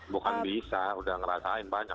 bukan bisa udah ngerasain banyak